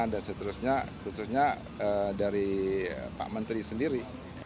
dan seterusnya khususnya dari pak menteri sendiri